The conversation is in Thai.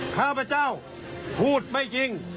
ข้าพเจ้าพูดไม่จริง